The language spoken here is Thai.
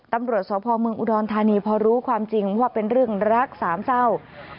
ตำรวจสพเมืองอุดรธานีพอรู้ความจริงว่าเป็นเรื่องรักสามเศร้า